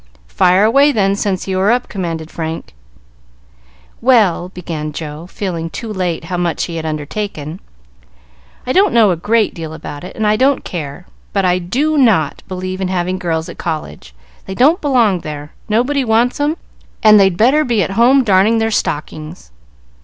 "Fire away, then, since you are up;" commanded Frank. "Well," began Joe, feeling too late how much he had undertaken, "I don't know a great deal about it, and I don't care, but I do not believe in having girls at college. They don't belong there, nobody wants 'em, and they'd better be at home darning their stockings."